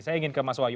saya ingin ke mas wayu